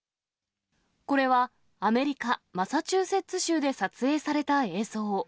これはアメリカ・マサチューセッツ州で撮影された映像。